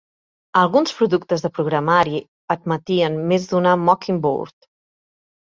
Alguns productes de programari admetien més d'una Mockingboard.